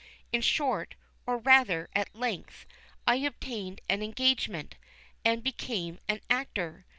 In short, or rather, at length, I obtained an engagement, and became an actor.